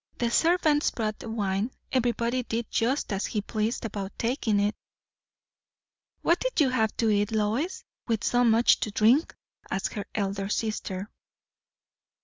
The servants brought the wine; everybody did just as he pleased about taking it." "What did you have to eat, Lois, with so much to drink?" asked her elder sister.